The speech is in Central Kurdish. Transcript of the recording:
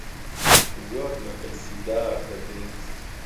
زۆر مەترسیدار دەبێت.